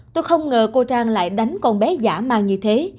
tôi không ngờ cô trang lại đánh con bé dã man như thế